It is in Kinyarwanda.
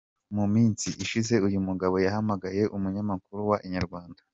Mu minsi ishize uyu mugabo yahamagaye umunyamakuru wa Inyarwanda.